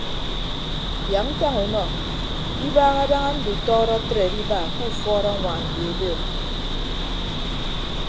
Yak ntañ unọ ibaha daña ndutọọdọ atre adiba ke ufuọd añwaan ye ebe o.